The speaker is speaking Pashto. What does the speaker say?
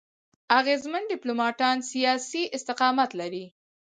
اغېزمن ډيپلوماټان سیاسي استقامت لري.